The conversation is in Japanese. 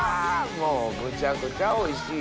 もうむちゃくちゃおいしい！